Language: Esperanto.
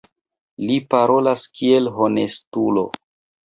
Li parolas kiel honestulo.